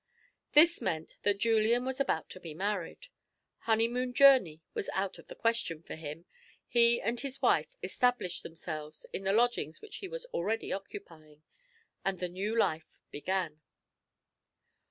This meant that Julian was about to be married. Honeymoon journey was out of the question for him. He and his wife established themselves in the lodgings which he was already occupying. And the new life began.